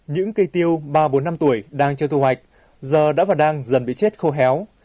những cây tiêu ba bốn năm tuổi đang cho thu hoạch giờ đã và đang dần bị chết khô héo